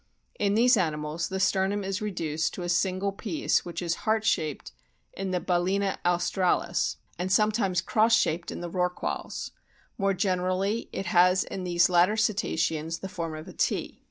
In these animals the sternum is reduced to a single piece, which is heart shaped in the Balcsna australis, and sometimes cross shaped in the Rorquals ; more generally it has in these latter Cetaceans the form of a T.